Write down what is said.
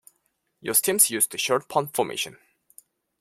Yost's teams used the short punt formation.